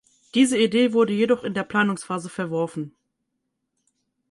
Diese Idee wurde jedoch in der Planungsphase verworfen.